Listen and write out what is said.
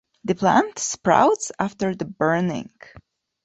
The plant sprouts again after burning.